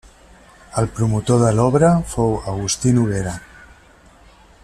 El Promotor de l'obra fou Agustí Noguera.